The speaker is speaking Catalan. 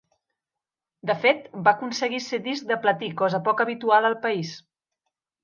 De fet, va aconseguir ser disc de platí, cosa poc habitual al país.